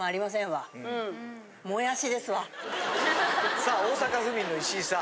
さあ大阪府民の石井さん。